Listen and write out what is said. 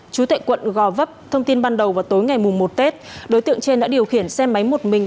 chú tại quận gò vấp thông tin ban đầu vào tối ngày một tết đối tượng trên đã điều khiển xe máy một mình